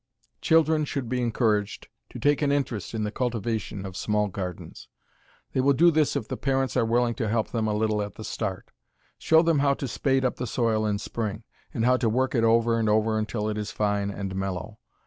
Children should be encouraged to take an interest in the cultivation of small gardens. They will do this if the parents are willing to help them a little at the start. Show them how to spade up the soil in spring, and how to work it over and over until it is fine and mellow.